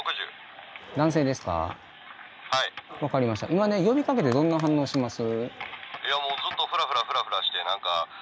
今ね呼びかけてどんな反応します？